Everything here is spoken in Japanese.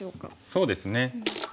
そうですね。